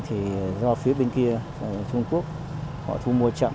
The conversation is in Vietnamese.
thì do phía bên kia trung quốc họ thu mua chậm